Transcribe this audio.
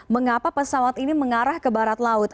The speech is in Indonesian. mengapa pesawat ini mengarah ke barat laut